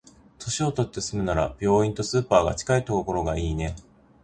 年取って住むなら、病院とスーパーが近いところがいいね。